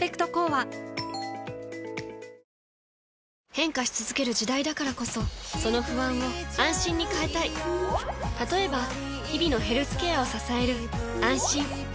変化し続ける時代だからこそその不安を「あんしん」に変えたい例えば日々のヘルスケアを支える「あんしん」